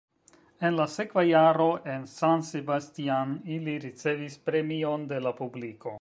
En la sekva jaro en San Sebastian ili ricevis premion de la publiko.